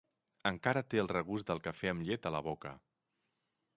Encara té el regust del cafè amb llet a la boca.